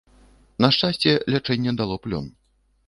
На шчасце, лячэнне дало плён.